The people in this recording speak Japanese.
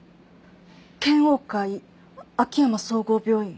健旺会秋山総合病院。